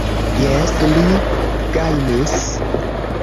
Jes, li gajnis.